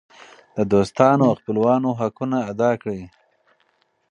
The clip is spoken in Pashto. د دوستانو او خپلوانو حقونه ادا کړئ.